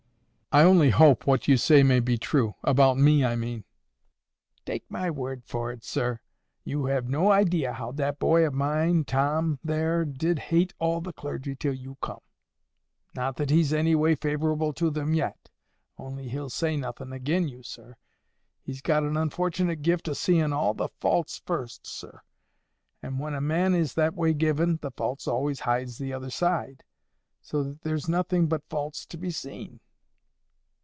"I only hope what you say may be true—about me, I mean." "Take my word for it, sir. You have no idea how that boy of mine, Tom there, did hate all the clergy till you come. Not that he's anyway favourable to them yet, only he'll say nothin' again' you, sir. He's got an unfortunate gift o' seein' all the faults first, sir; and when a man is that way given, the faults always hides the other side, so that there's nothing but faults to be seen."